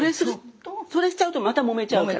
それしちゃうとまたもめちゃうから。